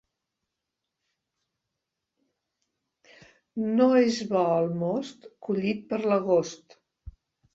No és bo el most collit per l'agost.